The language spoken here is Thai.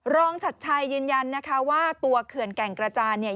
ชัดชัยยืนยันนะคะว่าตัวเขื่อนแก่งกระจานเนี่ย